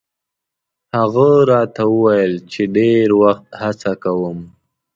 هغه راته ویل چې ډېر وخت هڅه کوم.